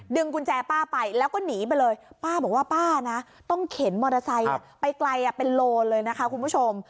กุญแจป้าไปแล้วก็หนีไปเลยป้าบอกว่าป้านะต้องเข็นมอเตอร์ไซค์ไปไกลเป็นโลเลยนะคะคุณผู้ชม